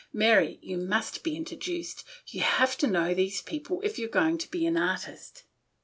Mary, you must be introduced. You'll have to know these people, if you're going to be an artist."